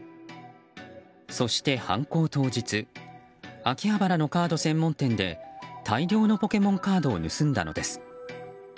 そして、犯行当日秋葉原のカード専門店で大量のポケモンカードを盗んだのです。